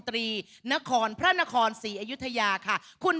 ที่จะเป็นความสุขของชาวบ้าน